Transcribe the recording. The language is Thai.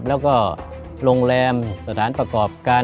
แล้วก็โรงแรมสถานประกอบการ